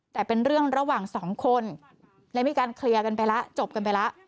แต่เป็นเรื่องระหว่างสองคนแล้วมีการเคลียร์กันไปละ